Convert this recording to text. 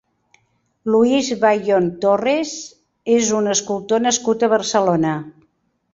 Luis Bayon Torres és un escultor nascut a Barcelona.